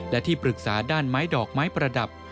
และที่ปรึกษาด้านไม้ดอกไม้ประดับ